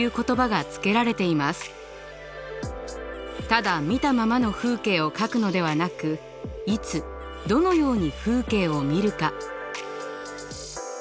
ただ見たままの風景を描くのではなくいつどのように風景を見るか。